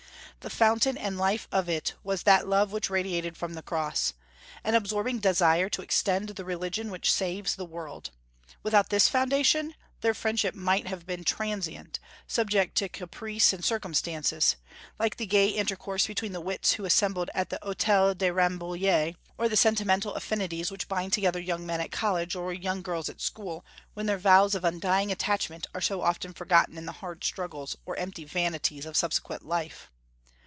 The fountain and life of it was that love which radiated from the Cross, an absorbing desire to extend the religion which saves the world. Without this foundation, their friendship might have been transient, subject to caprice and circumstances, like the gay intercourse between the wits who assembled at the Hôtel de Rambouillet, or the sentimental affinities which bind together young men at college or young girls at school, when their vows of undying attachment are so often forgotten in the hard struggles or empty vanities of subsequent life.